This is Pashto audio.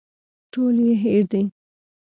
ټول يې هېر دي.